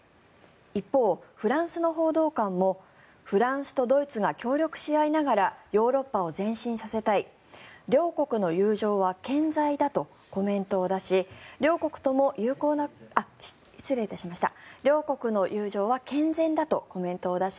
一方、フランスの報道官もフランスとドイツが協力し合いながらヨーロッパを前進させたい両国の友情は健全だとコメントを出し両国とも、友好な関係をアピールしました。